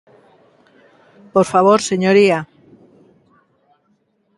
¡Por favor, señoría!